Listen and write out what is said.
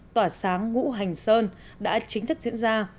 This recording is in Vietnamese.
tỏa sáng ngũ hành sơn đã chính thức diễn ra